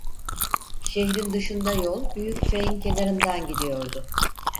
Şehrin dışında yol, büyük çayın kenarından gidiyordu.